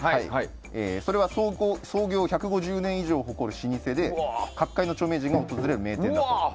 それは創業１５０年以上を誇る老舗で各界の著名人が訪れる名店だと。